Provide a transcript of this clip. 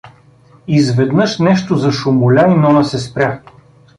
Изведнъж нещо зашумоля и Нона се спря.